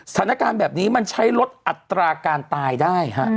สถานการณ์แบบนี้มันใช้ลดอัตราการตายได้ฮะ